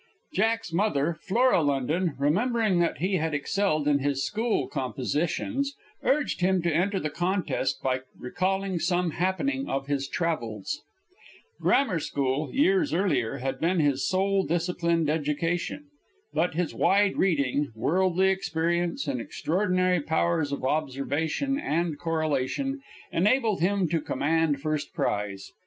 Jack's mother, Flora London, remembering that I had excelled in his school "compositions," urged him to enter the contest by recalling some happening of his travels. Grammar school, years earlier, had been his sole disciplined education. But his wide reading, worldly experience, and extraordinary powers of observation and correlation, enabled him to command first prize.